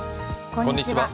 こんにちは。